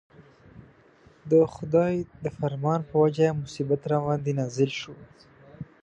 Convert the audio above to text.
د خدای د فرمان په وجه مصیبت راباندې نازل شو.